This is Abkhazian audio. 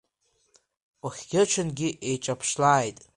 Уахгьы-ҽынгьы еиҿаԥшлааит!